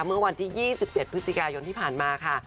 เมื่อวันที่๒๗พฤศจิกายนที่ผ่านมาค่ะ